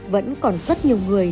vẫn còn rất nhiều người